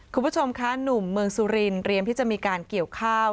คุณผู้ชมคะหนุ่มเมืองสุรินเตรียมที่จะมีการเกี่ยวข้าว